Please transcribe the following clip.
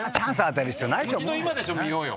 本気の「今でしょ！」見ようよ。